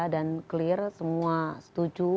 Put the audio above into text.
dan clear semua setuju